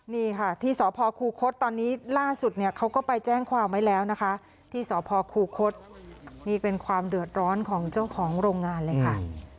นี่ค่ะที่สพคูคศตอนนี้ล่าสุดเนี่ยเขาก็ไปแจ้งความไว้แล้วนะคะที่สพคูคศนี่เป็นความเดือดร้อนของเจ้าของโรงงานเลยค่ะ